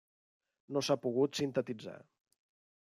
No s'ha pogut sintetitzar.